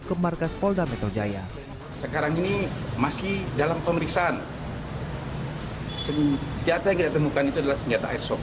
ke rumahnya sekarang ini masih dalam pemeriksaan senjata yang ditemukan itu adalah senjata airsoft